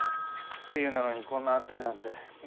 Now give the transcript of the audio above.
冬なのにこんな暑いなんて。